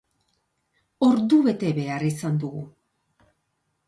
Ordu bete behar izan dugu.